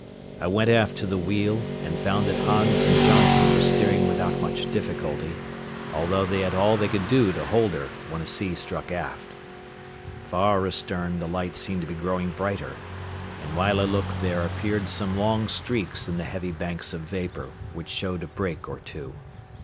I went aft to the wheel and found that Hans and Johnson were steering without much difficulty, although they had all they could do to hold her when a sea struck aft. Far astern the light seemed to be growing brighter, and while I looked there appeared some long streaks in the heavy banks of vapor which showed a break or two.